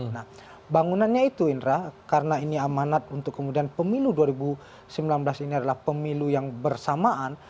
nah bangunannya itu indra karena ini amanat untuk kemudian pemilu dua ribu sembilan belas ini adalah pemilu yang bersamaan